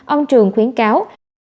ông trường khuyến cáo